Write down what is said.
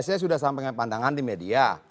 saya sudah sampaikan pandangan di media